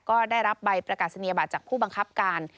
ก็ได้รับใบประกาศนียบัตรจากผู้บังคับการ